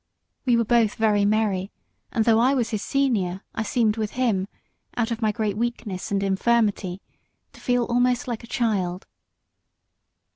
We were both very merry; and though I was his senior I seemed with him, out of my great weakness and infirmity, to feel almost like a child.